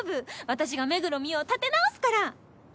私が目黒澪を立て直すから。